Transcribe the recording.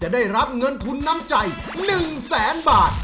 ได้รับเงินทุนน้ำใจ๑แสนบาท